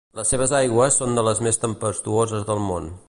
Les seves aigües són de les més tempestuoses del món.